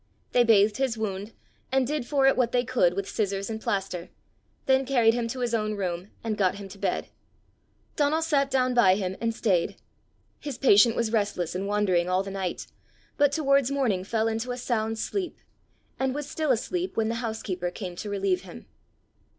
They bathed his wound, and did for it what they could with scissors and plaster, then carried him to his own room, and got him to bed. Donal sat down by him, and staid. His patient was restless and wandering all the night, but towards morning fell into a sound sleep, and was still asleep when the housekeeper came to relieve him.